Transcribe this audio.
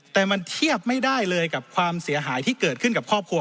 แต่มันเทียบไม่ได้เลยกับความเสียหายที่เกิดขึ้นกับครอบครัว